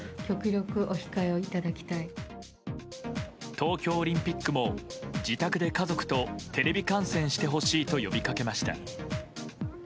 東京オリンピックも自宅で家族とテレビ観戦してほしいと呼びかけました。